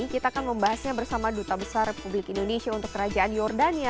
kita akan membahasnya bersama duta besar republik indonesia untuk kerajaan yordania